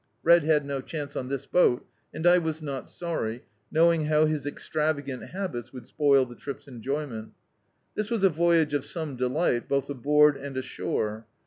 Red had no chance on this boat, and I was not sorry, knowing how his extravagant hab its would spoil the trip's enjoyment This was a voyage of scnne delight, bodi aboard and ashore.